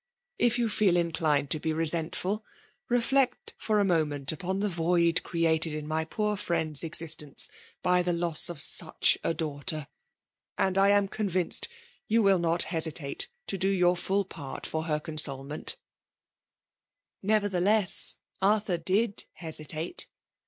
If you feel inclined to be resentful, reflect for a moment upon the void created in my poor firiend*s existence by the loss of such a daughter ; and I am con« vinced you will not hesitate to do your full paort for her consolement*' Nevertheless^ Arthur did hesitate.